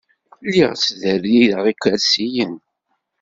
Lliɣ ttderrireɣ ikersiyen.